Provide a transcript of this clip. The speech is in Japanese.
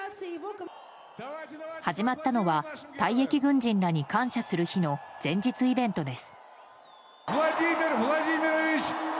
始まったのは退役軍人らに感謝する日の前日イベントです。